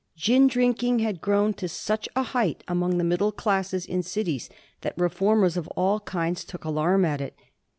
Gin drinking had grown to such a height among the middle classes in cities that reformers of all kinds took alarm at it.